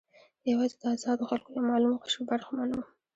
یوازې د آزادو خلکو یو معلوم قشر برخمن و.